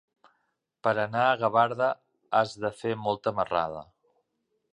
Per anar a Gavarda has de fer molta marrada.